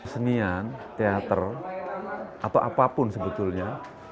kesenian teater atau apapun sebetulnya